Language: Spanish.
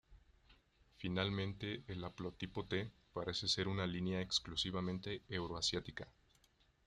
Finalmente el haplotipo T parece ser una línea exclusivamente euroasiática.